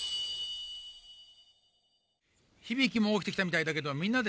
ヒビキもおきてきたみたいだけどみんなで